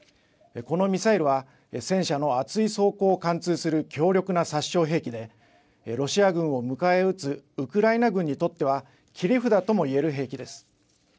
このミサイルは戦車の厚い装甲を貫通する強力な殺傷兵器でロシア軍を迎え撃つウクライナ軍にとっては切り札ともいえる兵器です。